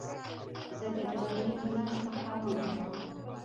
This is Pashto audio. زه د ډرامې هنر خوښوم.